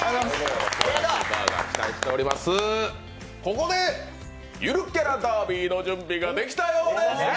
ここで、ゆるキャラダービーの準備ができたようです。